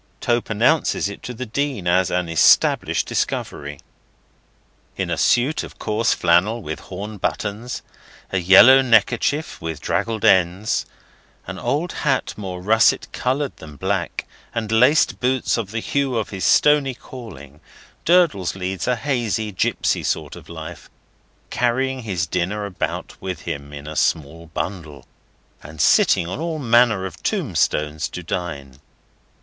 Tope announces it to the Dean as an established discovery. In a suit of coarse flannel with horn buttons, a yellow neckerchief with draggled ends, an old hat more russet coloured than black, and laced boots of the hue of his stony calling, Durdles leads a hazy, gipsy sort of life, carrying his dinner about with him in a small bundle, and sitting on all manner of tombstones to dine.